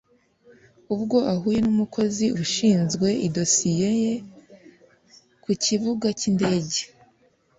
Ubwo ahuye n umukozi ushinzwe idosiye ye ku kibuga ki ndege